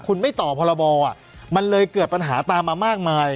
คุณไม่ต่อพรบมันเลยเกิดปัญหาตามมามากมาย